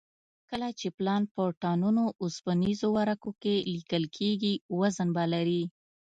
کله چې پلان په ټنونو اوسپنیزو ورقو کې لیکل کېږي وزن به لري